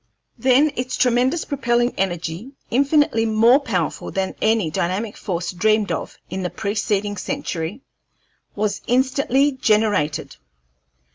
Then its tremendous propelling energy, infinitely more powerful than any dynamic force dreamed of in the preceding century, was instantly generated.